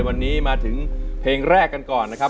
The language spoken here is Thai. วันนี้มาถึงเพลงแรกกันก่อนนะครับ